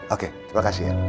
oke terima kasih ya